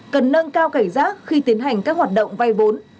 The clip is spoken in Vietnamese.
cần nâng cao cảnh giác khi tiến hành các hoạt động vay vốn